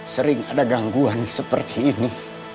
sering ada gangguan seperti ini